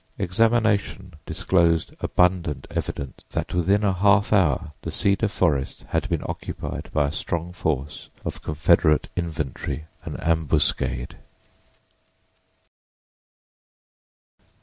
Examination disclosed abundant evidence that within a half hour the cedar forest had been occupied by a strong force of Confederate infantry—an ambuscade.